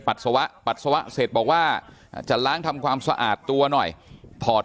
ปัสสาวะเสร็จบอกว่าจะล้างทำความสะอาดตัวหน่อยถอด